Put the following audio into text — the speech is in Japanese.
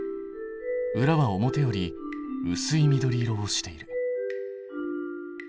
裏は表よりうすい緑色をしている。